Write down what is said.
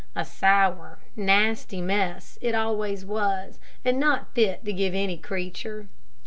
A sour, nasty mess it always was, and not fit to give any creature.